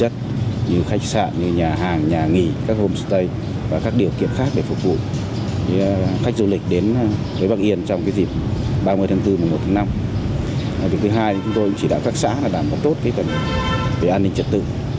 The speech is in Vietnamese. trong điều kiện an ninh trật tự tốt nhất